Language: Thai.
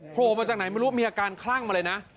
โผล่มาจากไหนไม่รู้มีอาการคลั่งมาเลยนะ